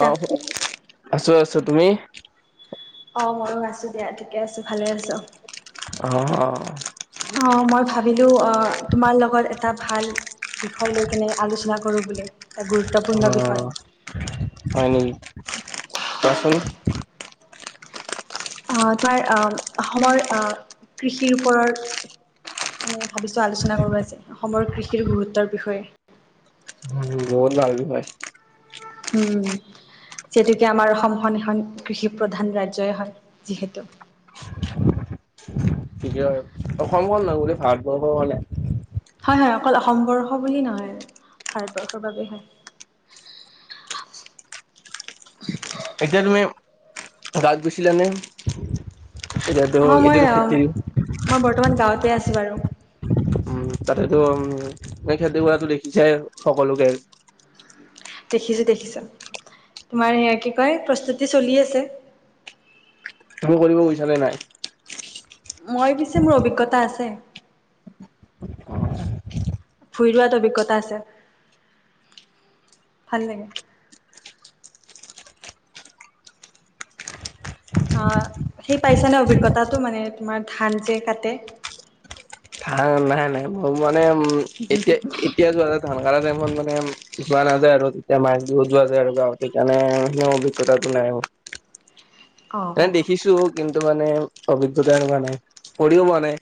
তা আহ, আছোঁ, আছোঁ, তুমি? অ' ময়ো আছোঁ দিয়া। ঠিকে আছোঁ, ভালে আছোঁ। অ, অ। অ, মই ভাবিলো অ তোমাৰ লগত এটা ভাল বিষয় লৈ কিনে আলোচনা কৰোঁ বুলি। গুৰুত্বপূৰ্ণ বিষয় অঁ, হয় নেকি? কোৱাচোন। অ, তোমাৰ আহ অসমৰ, আহ কৃষিৰ ওপৰত মানে ভাবিছোঁ আলোচনা কৰো আজি, অসমৰ কৃষিৰ গুৰুত্বৰ বিষয়ে। [unintelligible] উম, যিহেতুকে আমাৰ অসমখন এখন কৃষি প্ৰধান ৰাজ্যই হয়। যিহেতু, [unintelligible] আৰু অসমখন নহয় গোটেই ভাৰতবৰ্ষখনে হয়, হয়, অকল অসমবৰ্ষ বুলি নহয়, ভাৰতবৰ্ষৰ বাবেই হয়। এতিয়া তুমি [unintelligible] বেচিলানে? অ', মই মই বৰ্তমান গাঁৱতে আছো বাৰু। উম তাতেতো উম, খেতি কৰাটো দেখিছোই সকলোকে। দেখিছোঁ দেখিছোঁ তোমাৰ সেয়া কি কয় প্ৰস্তুতি চলি আছে। তুমি কৰিব গৈছ নে নাই? মই পিছে মোৰ অভিজ্ঞতা আছে। ভুৰি ৰোৱাত অভিজ্ঞতা আছে ভাল লাগে। অ', সেই পাইছ নে অভিজ্ঞতাটো মানে তোমাৰ ধান যে কাটে? ধান নাই নাই মোৰ মানে উম, এতিয়া এতিয়া যোৱা ধান কা টাইমত মানে যোৱা নাযায় আৰু তেতিয়া মাঘ বিহুত যোৱা যায় আৰু গাঁৱতে সকাৰণে সনে অভিজ্ঞতাটো নাই মোৰ। [inaudible] এনে দেখিছো কিন্তু মানে অভিজ্ঞতা এনেকুৱা নাই কৰিঢ়ও পোৱা নাই।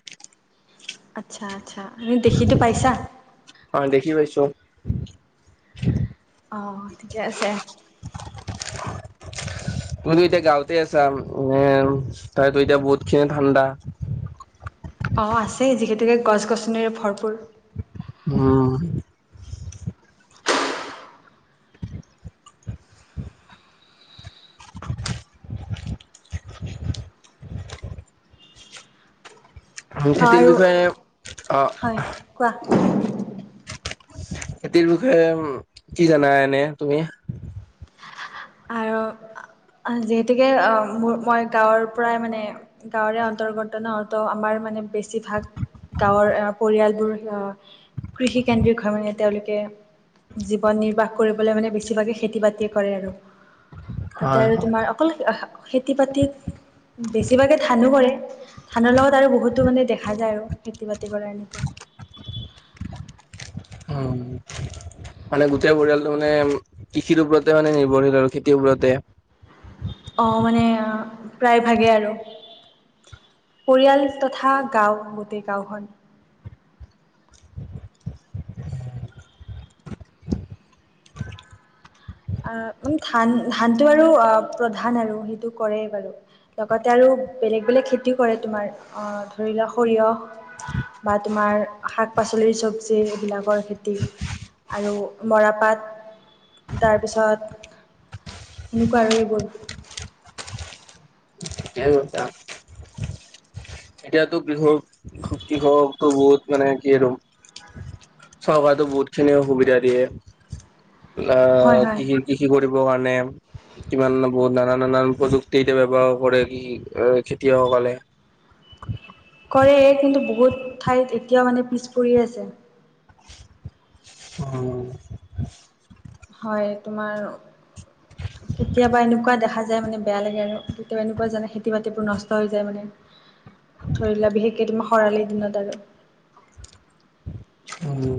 আচ্ছা আচ্ছা আমি দেখিতো পাইছা? অ', দেখি পাইছো। অ', ঠিকে আছে। [unintelligible] তুমিতো এতিয়া গাঁওঁতে আছা এ তাতেটো এতিয়া বহুত খিনি ঠাণ্ডা। অঁ', আছেই যিহেতুকে গছ গছনিৰে ভৰপূৰ। হম্। ধান অ খেতিৰ আৰু বিষয়ে হয় অ' কোৱা? খেতিৰ বিষয়ে কি জানা এনে তুমি? আৰু যিহেতুকে মোৰ মই গাঁৱৰ পৰাই মানে গাঁৱৰে অন্তৰ্গত নত আমাৰ মানে বেছিভাগ গাঁৱৰ আহ পৰিয়ালবোৰ আহ কৃষি কেন্দ্ৰিক হয় মানে তেওঁলোকে জীৱন নিৰ্বাহ কৰিবলৈ মানে বেছিভাগে খেতি বাতি কৰে আৰু তাতে হয় আৰু হয় তোমাৰ অকল খেতি বাতি বেছিভাগে ধানো কৰে। ধানৰ লগত আৰু বহুতো মানে দেখা যায় আৰু খেতি বাতি কৰা এনেকুৱা। উম। মানে গোটেই পৰিয়ালটো মানে কৃষিৰৰ ওপৰতে মানে নিৰ্ভৰশীল আৰু খেতিৰ ওপৰতে। অঁ', মানে প্ৰায় ভাগে আৰু। পৰিয়াল তথা গাও গোটেই গাঁওখন। [inaudible] [unintelligible] অ', মান ধান ধানতটো আৰু অ', প্ৰধান আৰু সেইটো কৰেই বাৰু। লগতে আৰু বেলেগ বেলেগ খেতিও কৰে তোমাৰ ধৰি লোৱাক সৰিয়হ বা তোমাৰ শাক পাচলিৰ চব্জি এইবিলাকৰ খেতি আৰু মৰাপাট। তাৰপিছত সেনেকুৱা আৰু সেইবোৰ। [unintelligible] এতিয়াতো কৃষক কৃষকটো বহুত মানে কি আৰু চৰকাৰেতো বহুত খিনি অসুবিধা দিয়ে হয় আহ হয় কি কৃষ কৰিব কাৰণে। কিমান বহুত নানান নানান প্ৰযুক্তি এতিয়া ব্য্ৱহাৰ কৰে কি এ খেতিয়কসকলে। [unintelligible] কৰে কিন্তু বহুত ঠাইত এতিয়াও মানে পিছ পৰি আছে। অ'। হয় তোমাৰ কেতিয়াবা এনেকুৱা দেখা যায় মানে বেয়া লাগে আৰু কেতিয়াবা এনেকুৱা জানে খেতি বাতিবোৰ নষ্ট হৈ যায় মানে। ধৰিলা বিশেষকে তুমাৰ খৰালি দিনত আৰু। উ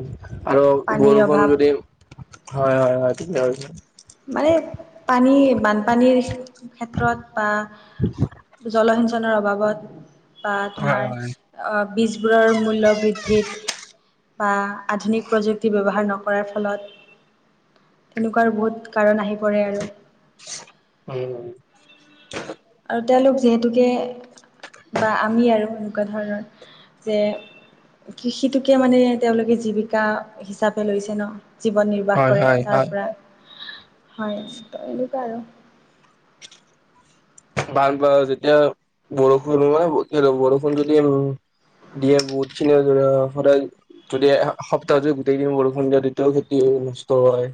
আৰু পানীৰ বৰষুণ অভাৱ যদি হয়, হয় হয় তাকে। মানে পানী বানপানীৰ ক্ষেত্ৰত বা জলসিঞ্চন অভাৱত বা হয় তোমাৰ হয়। বীজবোৰৰ মূল্য বৃদ্ধিত বা আধুনিক প্ৰযুক্তি ব্য্ৱহাৰ নকৰাৰ ফলত, তেনেকুৱা বহুত কাৰণ আহি পৰে আৰু। উম। আৰু তেওঁলোক যিহেতুকে বা, আমি আৰু এনেকুৱা ধৰণৰ যে কৃষিটোকে মানে তেওঁলোকে জীৱিকা হিচাপে লৈছে ন। জীৱন নিৰ্বাহ হয় কৰে হয় তাৰ হয় পৰা, হয় তো এনেকুৱা আৰু। বান বা যেতিয়া, বৰষুণ হয় কি বৰষুণ যদি উম। [unintelligible] যদি সপ্তাহত যদি গোটেই দিন বৰষুণ দিয়া তেতিয়াও খেতি নষ্ট হয়।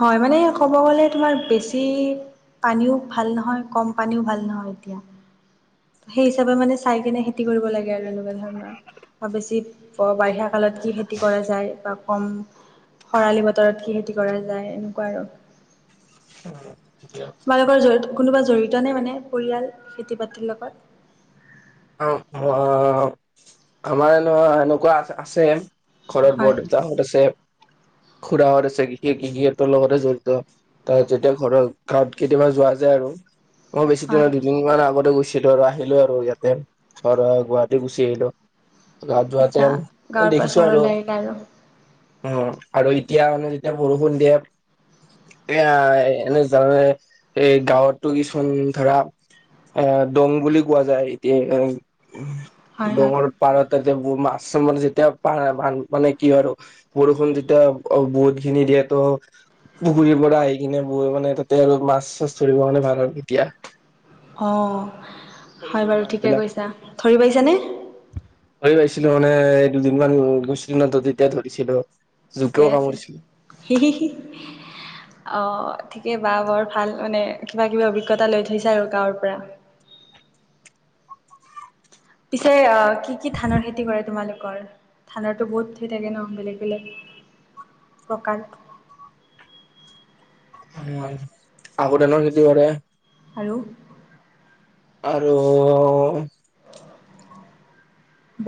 হয় মানে ক'ব গ'লে তোমাৰ বেছি পানীও ভাল নহয় কম পানীও ভাল নহয় এতিয়া। সেই হিচাপে মানে চাই কিনে খেতি কৰিব লাগে আৰু এনেকুৱা ধৰণৰ। বা বেছি বাৰিষা কালত কি খেতি কৰা যায় বা কম খৰালি বতৰত কি খেতি কৰা যায় এনেকুৱা আৰু। হয়। তোমাৰালোকৰ জড়িত কোনোবা জড়িত নাই মানে পৰিয়াল খেতি বাতিৰ লগত? অ' আমাৰ ন এনেকুৱা আ আছে। ঘৰত হয় বৰদউতাহত আছে, খুৰা হত আছে ঘ ঘ ঘিটোৰ লগতে জড়িত। তাৰত যেতিয়া ঘৰৰ গাঁৱত কেতিয়াবা যোৱা যায় আৰু, মই বেছি হয় দিনত তিনি মমান আগতে গৈছিলো আৰু আহিলো আৰু ইয়াতে ধ গুৱাহাটী গুচি আহিলো। গা যোৱাতে আচ্ছা গাঁৱৰ পৰা দেখিছো আৰু। চহৰলৈ আহিলা আৰু অ' আৰু এতিয়া মানে যেতিয়া বৰষুণ দিয়ে। এ এনে জানে, এ গাঁৱতটো কিছুমান ধৰা এ দং বুলি কোৱা যায় এতিয়া এ, হয় হয় ডাঙৰ পাৰ তেয়া মাছ চৰ যেতিয়া প মানে কি আৰু বৰষুণ যেতিয়া বহুত খিনি দিয়েটো পুখুৰীৰ পৰা আহি কিনে বৈ মানে তাতে আৰু মাছ চাছ ধৰিব মানে ভাল আৰু এতিয়া। অ' সৰু হয় সৰু বাৰু মাছ ঠিকে বিলাক কৈছা, ধৰি পাইছানে? ধৰি পাইছিলো মানে দুদিনমান গুছিলছিল ন ত তেতিয়া ধৰিছিলো। ঠিকে জোকেও আছে। কামুৰিছিলে অ' ঠিকেই বা বৰ ভাল মানে কিবা কিবি অভিজ্ঞতা লৈ থৈছে আৰু গাঁৱৰ পৰা। পিছে অ কি কি ধানৰ খেতি কৰে তোমালোকৰ? ঠাণ্ডাটো বহুত থেই থাকে ন বেলেগ বেলেগ, প্ৰকাৰ। অ' আগু দনৰো খেতি কৰে। আৰু? আৰু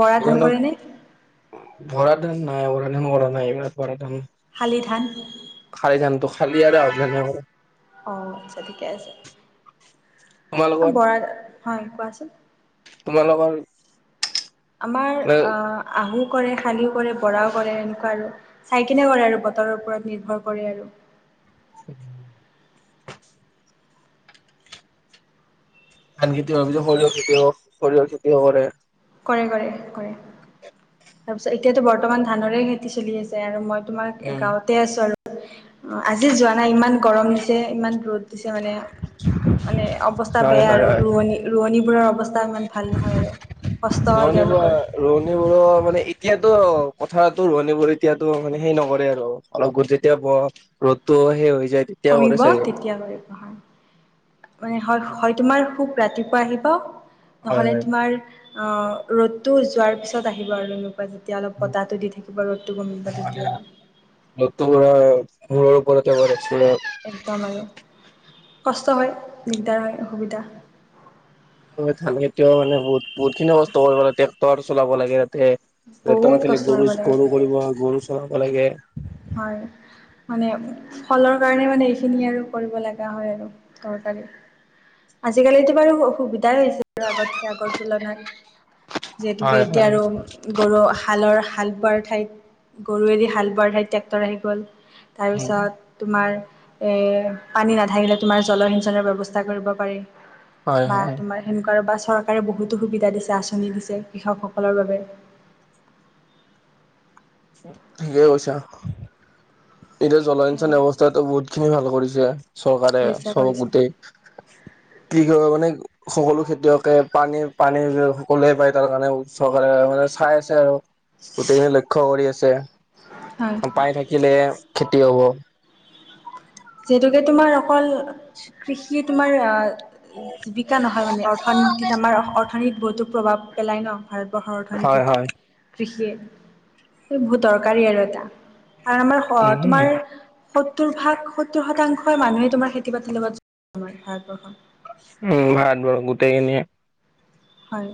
বৰা আহু ধান ধানত কৰেনে? বৰা ধান নাই, বৰা ধান বৰা নাই এইবাৰ বৰা ধান। শালি ধান। খালি যানো খালি আৰু আ ন। অ' আচ্ছা ঠিকে আছে, তোমালোকৰ বৰা হয় কোৱাচোন। তোমালোকৰ আমাৰ আহু কৰে শানিও কৰে বৰাও কৰে এনেকুৱা আৰু। চাইকিনে কৰে আৰু বতৰৰ ওপৰত নিৰ্ভৰ কৰে আৰু। উম। ধান খেতি ভাবিছ সৰিয়ৰ খেতিয়ও সৰিয়ৰ খেতিয়ও কৰে। কৰে কৰে কৰে, তাৰপিছত এতিয়াতো বৰ্তমান ধানৰে খেতি চলি আছে। আৰু মই তোমাৰ উম গাঁওঁতে আছো আৰু আজি যোৱা নাই ইমান গৰম দিছে ইমান ৰ'দ দিছে মানে মানে অৱস্থা হয় বেয়া হয় আৰু হয় ৰোৱনী ৰোৱনীবোৰৰ অৱস্থা ইমান ভাল নহয় আৰু। কষ্ট ন হয় নিব তেওঁলোকৰ ৰোৱনী বোৰৰ মানে এতিয়াতো কথাটো ৰহনী বোৰ এতিয়াতো মানে সেই নকৰে আৰু। অলপ গূৰ যেতিয়া ব ৰ'দতটো সেই হৈ যায়। তেতিয়া কৰে সমমিব চাগে। তেতিয় কৰি নহয়। মানে হয়, হয় তোমাৰ খুব ৰাতিপুৱা আহিব হয় নহলে হয় তোমাৰ অ, ৰ'দটো যোৱাৰ পিছত আহিব আৰু। যেতিয়া অলপ পতাটো দি থাকিব ৰ'দটো কমিব তেতিয়া ন তু মোৰ মৰ পত বাৰছিল একদম আৰু কষ্ট হয়, দিগদাৰ হয়, অসুবিধা ধানে এতিয়াও মানে বহুত, বহুত খিনি কষ্ট কৰিব লাগে, ট্ৰেক্টৰ চলাব লাগে, তাতে ৰেত বহুত নাথে কষ্ট গৰু, কৰিব লাগে গৰু কৰিব গৰু চহাব লাগে। হয়। মানে ফলৰ কাৰণে মানে এইখিনি আৰু কৰিব লগা হয় আৰু দৰকাৰী আজিকালিতো বাৰু সুবিধাই হৈছে আৰু আগতকে আগৰ তুলনাত। যিহেতুকে হয় এতিয়া হয় আৰু গৰু হালৰ হাল বোৱাৰ ঠাইত গৰু এদি হাল বোৱাৰ ঠাইত ট্ৰেক্টৰ আহি গ'ল। উম তাৰপিছত তোমাৰ পানী নাথাকিলে তোমাৰ জলসিঞ্চনৰ ব্যৱস্থা কৰিব পাৰি। হয় বা হয় তোমাৰ সেনেকুৱা আৰু বা চৰকাৰে বহুতো সুবিধা দিছে আঁচনি দিছে কৃষকসকলৰ বাবে। হে উচা এতিয়া জলসিঞ্চন সেয়াই ব্যৱস্থাতো বহুত খিনি ভাল কৰিছে চৰকাৰে কৰিছে চব গোটেই। [inaudible] কি ক মানে? সকলো খেতিয়কে পানী, পানী সকলোৱে পায় তাৰ কাৰণে চৰকাৰে মানে চাই আছে আৰু। গোটেইখিনি লক্ষ্য কৰি আছে হয় পাই থাকিলে খেতি হ'ব। যিহেতুকে তোমাৰ অকল কৃষি তোমাৰ আহ জীৱিকা নহয় মানে অৰ্থনীতিত আমাৰ অৰ্থনীতিত বহুতো প্ৰভাৱ পেলায় ন। ভাৰতবৰ্ষৰ হয় হয় অৰ্থনীতিত কৃষিয় এই বহুত দৰকাৰী আৰু এটা আৰু আমাৰ উম তোমাৰ সত্তৰ ভাগ সত্তৰ শতাংশই মানুহে তোমাৰ খেতি বাতিৰ লগত আমাৰ ভাৰতবৰ্ষত। উম, ভাত বৰ গোটেইখিনিয়। হয়।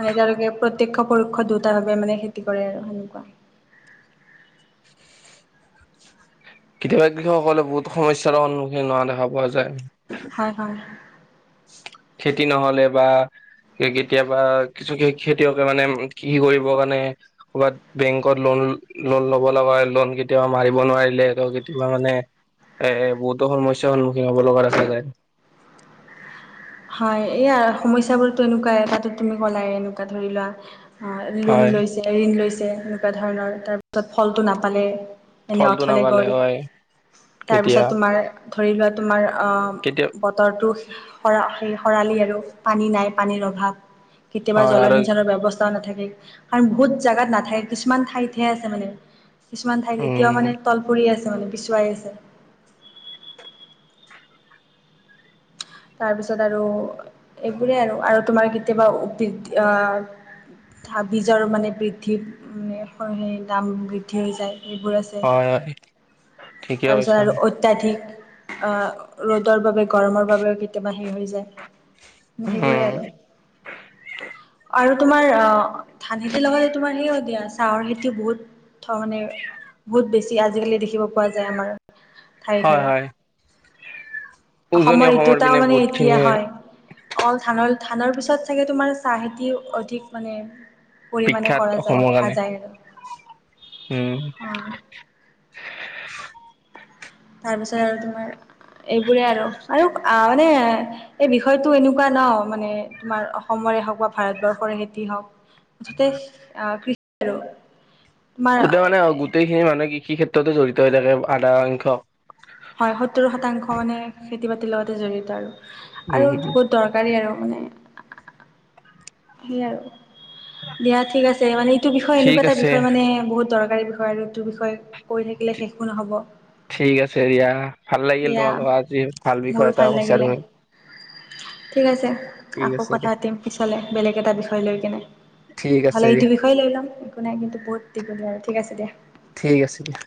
মানে তেওঁলোকে প্ৰত্যয়ক্ষ পৰোক্ষ দুটা ভাৱে মানে খেতি কৰে আৰু সেনেকুৱা কেতিয়াবা কৃষকসকলে বহুত সমস্যাৰো সন্মুখীন হোৱা দেখা পোৱা যায়। হয়, হয়। খেতি নহ'লে বা কেতিয়াবা কিছু খেতিয়কে মানে কৃষি কৰিবৰ কাৰণে কৰবাত বেংকত লোন, লোন ল'ব লগা হয় লোন কেতিয়াবা মাৰিব নোৱাৰিলে কেতিয়াবা মানে এ, এ, বহুতো সমস্যাৰ সন্মুখীন হ'ব লগা আছে। হয়, এইয়া সমস্যাবোৰতো এনেকুৱাই তাতো তুমি কলাই এনেকুৱা ধৰি লোৱা। লোন হয় লৈছে, ঋণ লৈছে, এনেকুৱা ধৰণৰ তাৰপিছত ফলটো নাপালেই। এনে ফলটো অথলে নাপালে গ'ল হয় তেতিয়া তাৰপিছত তোমাৰ ধৰি লোৱা তোমাৰ কেতিয়াও বতৰটো সৰা স-সৰালি আৰু পানী নাই, পানীৰ অভাৱ কেতিয়াবা হয় আৰু জলসিঞ্চনৰ ব্যয়ৱস্থাও নাথাকে কাৰণ বহুত জাগাত নাথাকে কিছুমান ঠাইতহে আছে মানে। কিছুমান ঠাইত এতিয়াও উম মানে তল পৰি আছে মানে পিছুৱাই আছে। তাৰপিছত আৰু এইবোৰেই আৰু আৰু তোমাৰ কেতিয়াবা বীজৰ মানে বৃদ্ধি মানে স দাম বৃদ্ধি হৈ যায় সেইবোৰ আছে। হয় হয় ঠিকে তাৰপিছত কৈছা আৰু অত্যাধিক ৰ'দৰ বাবে গৰমৰ বাবেও কেতিয়াবা হেই হৈ যায়। সেইবোৰে উম আৰু। আৰু তোমাৰ আহ ধান খেতিৰ লগতে তোমাৰ সে দিয়া চাহৰ খেতি বহুত ধনখেতি বহুত বেছি আজিকালি দেখিব পোৱা যায় আমাৰ ঠায়ে হয় ঠায়ে। হয় উজনি অসমৰ তাৰ পিনে মানে বহুত এতিয়া খিনিয়ে হয়। অল ধানৰ ধানৰ পিছত চাগে তোমাৰ চাহ খেতি অধিক মানে পৰিাণে বিখ্যাত কৰা যায় অসমৰ দেখা কাৰণে যায় আৰু। উম। অ তাৰপিছত আৰু তোমাৰ এইবোৰে আৰু, আৰু মানে এই বিষয়টো এনেকুৱা ন মানে তোমাৰ অসমৰে হওঁক বা ভাৰতবৰ্ষৰে খেতি হওঁক যথেষ্ট আকৃষ্ট আৰু। তোমাৰ গোটেই মানে গোটেইখিনি মানুহ কৃষি ক্ষেত্ৰতে জড়িত হৈ থাকে আধা সংখ্যক। হয় সত্তৰ শতাংশ মানে খেতি বাতিৰ লগতে জড়িত আৰু। উম আৰু দৰকাৰী আৰু মানে। সেয়ে আৰু, দিয়া ঠিক আছে, মানে এইটো বিষয় ঠিক এনেকুৱা এটা আছে বিষয় মানে বহুত দৰকাৰী বিষয় আৰু। টো বিষয়ে কৈ থাকিলে শেষো নহ'ব। ঠিক আছে দিয়া, ভাল লাগিল দিয়া তোমাৰ লগত আজি ভাল মোৰো বিষয় এটা কৈছা লাগিলে তুমি। ঠিক আছে ঠিক আকৌ আছে কথা দিয়া পাতিম পিছলে বেলেগ এটা বিষয় লৈ কিনে। ঠিক হ'লে আছে এইটো দিয়া বিষয়ে লৈ ল'ম একো নাই, কিন্তু বহুত দিঘলীয়া আৰু ঠিক আছে দিয়া। ঠিক আছে দিয়া।